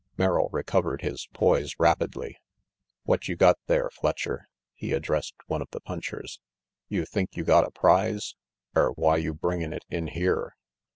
Merrill recovered his poise rapidly. "What you got there, Fletcher?" he addressed one of the punchers. "You think you got a prize, er why you bringin' it in here?"